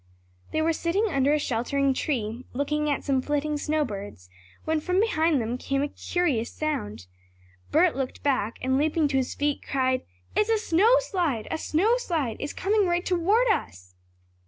They were sitting under a sheltering tree, looking at some flitting snow birds, when from behind them came a curious sound. Bert looked back, and leaping to his feet, cried: "It's a snow slide! A snow slide! It's coming right toward us!"